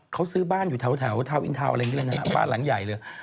เขาซื้อบ้านอยู่แถวบ้านหลังใหญ่เลยนะ